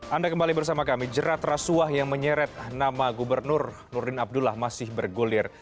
anda kembali bersama kami jerat rasuah yang menyeret nama gubernur nurdin abdullah masih bergulir